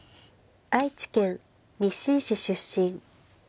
愛知県日進市出身。